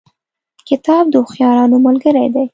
کتاب د هوښیارانو ملګری دی.